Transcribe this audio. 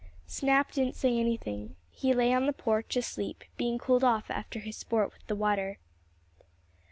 Snap didn't say anything. He lay on the porch asleep, being cooled off after his sport with the water.